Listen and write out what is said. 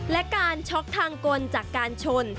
และการช็อกทางกลจากการชน